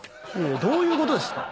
どういうことですか？